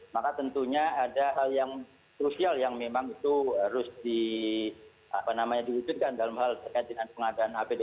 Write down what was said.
maka tentunya ada hal yang krusial yang memang itu harus diwujudkan dalam hal terkait dengan pengadaan apd